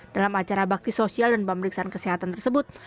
dalam acara bakti sosial dan pemeriksaan kesehatan tersebut